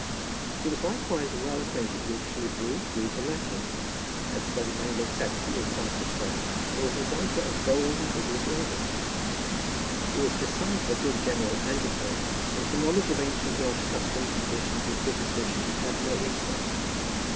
He was likewise well acquainted with Hebrew, Greek and Latin, had studied Anglo Saxon with some success, and was a writer of bold and vigorous English. He was besides a good general antiquary, and for knowledge of ancient Welsh customs, traditions and superstitions had no equal.